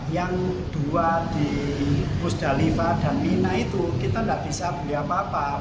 yang dua di musdalifah dan mina itu kita tidak bisa beli apa apa